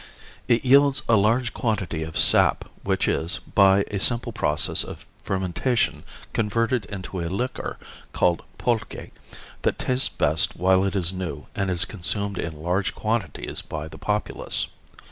It yields a large quantity of sap which is, by a simple process of fermentation, converted into a liquor called pulque that tastes best while it is new and is consumed in large quantities by the populace.